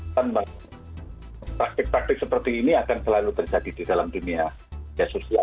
tanpa praktik praktik seperti ini akan selalu terjadi di dalam dunia sosial